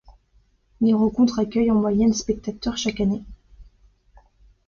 Les rencontres accueillent en moyenne spectateurs chaque année.